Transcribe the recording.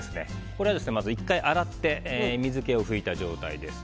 これは１回洗って水けを拭いた状態です。